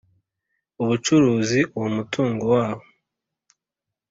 Ubucuruzi uwo mutungo waba